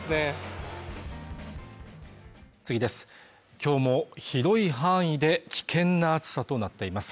今日も広い範囲で危険な暑さとなっています